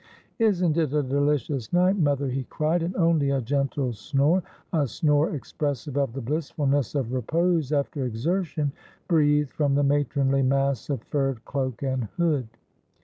' Isn't it a delicious night, mother ?' he cried, and only a gentle snore — a snore expressive of the blissfulness of repose after exertion — breathed from the matronly mass of furred cloak and hood.